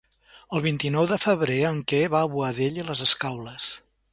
El vint-i-nou de febrer en Quer va a Boadella i les Escaules.